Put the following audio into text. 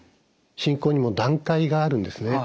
進行にも段階があるんですね。